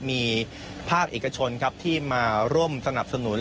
มีภาคเอกชนครับที่มาร่วมสนับสนุน